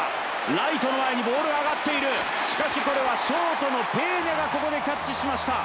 ライトの前にボールが上がっているしかし、これはショートのペーニャがここでキャッチしました。